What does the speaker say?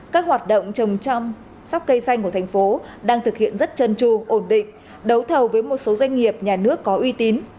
các hoạt động trồng trăm sóc cây xanh của thành phố đang thực hiện rất chân tru ổn định đấu thầu với một số doanh nghiệp nhà nước có uy tín